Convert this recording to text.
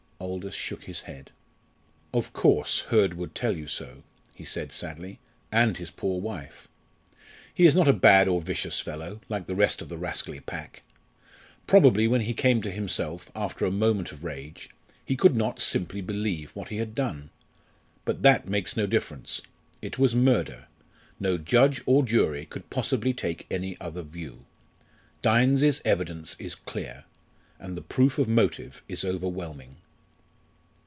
Aldous shook his head. "Of course Hurd would tell you so," he said sadly, "and his poor wife. He is not a bad or vicious fellow, like the rest of the rascally pack. Probably when he came to himself, after the moment of rage, he could not simply believe what he had done. But that makes no difference. It was murder; no judge or jury could possibly take any other view. Dynes's evidence is clear, and the proof of motive is overwhelming."